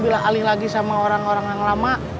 dia ambil alih lagi sama orang orang yang lama